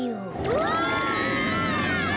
うわ！